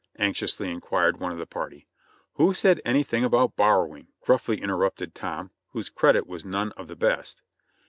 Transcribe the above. anxiously inquired one of the party. "Who said anything about borrowing?" gruffly interrupted Tom, whose credit was none of the best.